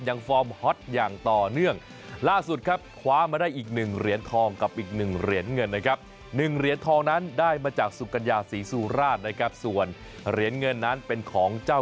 ยังฟอร์มฮอตอย่างต่อเนื่องล่าสุดครับคว้ามาได้อีกหนึ่งเหรียญทอง